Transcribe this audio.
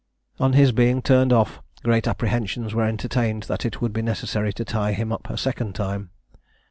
On his being turned off, great apprehensions were entertained that it would be necessary to tie him up a second time.